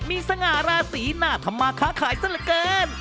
มีสงาราสีหนาธรรมคาขายสั้นเหลือเกิน